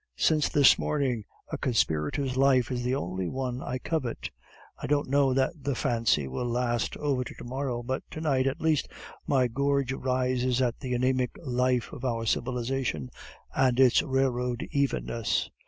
Since this morning, a conspirator's life is the only one I covet. I don't know that the fancy will last over to morrow, but to night at least my gorge rises at the anaemic life of our civilization and its railroad evenness.